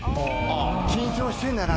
「緊張してんだな」